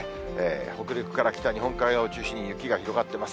北陸から北日本海側を中心に雪が広がってます。